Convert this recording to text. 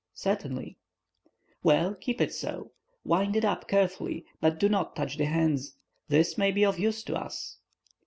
"Certainly." "Well, keep it so. Wind it up carefully, but do not touch the hands. This may be of use to us."